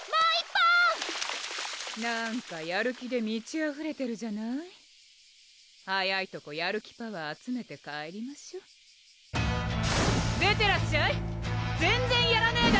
なんかやる気でみちあふれてるじゃない早いとこやる気パワー集めて帰りましょ出てらっしゃいゼンゼンヤラネーダ！